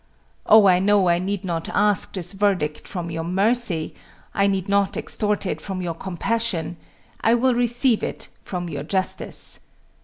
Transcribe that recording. Oh, I know I need not ask this verdict from your mercy; I need not extort it from your compassion; I will receive it from your justice.